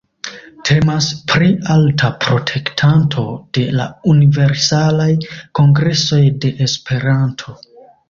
Temas pri alta protektanto de la Universalaj Kongresoj de Esperanto.